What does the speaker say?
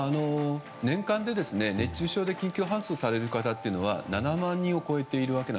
年間で熱中症で搬送される方は７万人を超えています。